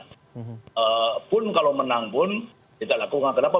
walaupun kalau menang pun kita lakukan kenapa